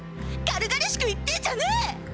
軽々しく言ってんじゃねえ！